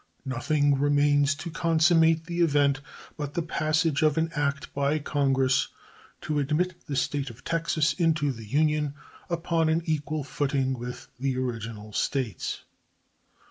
Nothing remains to consummate the event but the passage of an act by Congress to admit the State of Texas into the Union upon an equal footing with the original States.